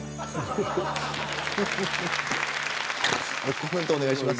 コメントお願いします。